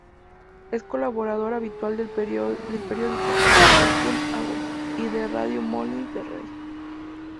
Es colaborador habitual del periódico "El Punt Avui" y de "Radio Molins de Rei".